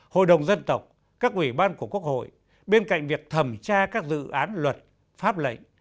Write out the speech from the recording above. hội đồng dân tộc các ủy ban của quốc hội bên cạnh việc thẩm tra các dự án luật pháp lệnh